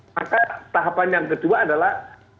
maka tahapan yang kedua adalah